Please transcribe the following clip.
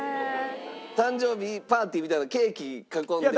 誕生日パーティーみたいなケーキ囲んで。